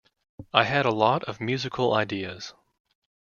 I had a lot of musical ideas.